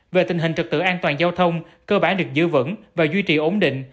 về tình hình trực tự an toàn giao thông cơ bản được giữ vững và duy trì ổn định